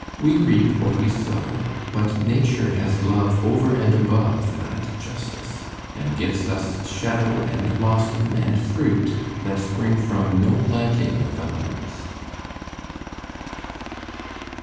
We reap what we sow, but Nature has love over and above that justice, and gives us shadow and blossom and fruit that spring from no planting of ours.